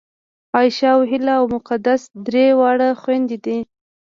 عایشه او هیله او مقدسه درې واړه خوېندې دي